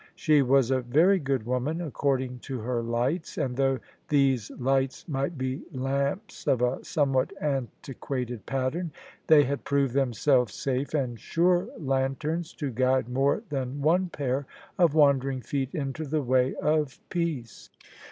She was a very good woman according to her lights ; and though these lights might be lamps of a somewhat antiquated pattern, they had proved themselves safe and sure lanterns to guide more than one pair of wandering feet into the way of peace.